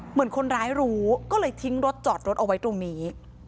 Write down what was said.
เหมือนคนร้ายรู้ก็เลยทิ้งรถจอดรถเอาไว้ตรงนี้